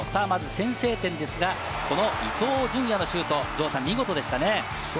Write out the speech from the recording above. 先制点ですが、この伊東純也のシュート、見事でしたね。